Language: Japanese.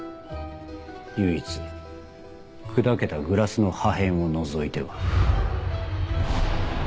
唯一砕けたグラスの破片を除いては。